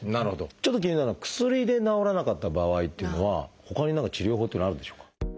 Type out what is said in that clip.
ちょっと気になるのは薬で治らなかった場合っていうのはほかに何か治療法っていうのはあるんでしょうか？